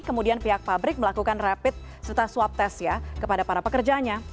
kemudian pihak pabrik melakukan rapid serta swab test ya kepada para pekerjanya